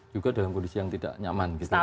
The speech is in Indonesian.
juga dalam kondisi yang tidak nyaman